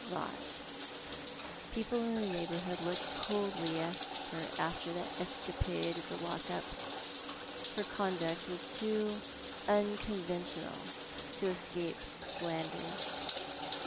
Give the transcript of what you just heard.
"Eot. People in the neighbourhood looked coldly at her after that escajDade at the lock up. Her conduct was too un conventional to escape slander.